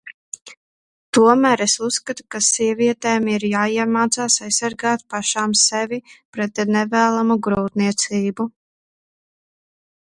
Tomēr es uzskatu, ka sievietēm ir jāiemācās aizsargāt pašām sevi pret nevēlamu grūtniecību.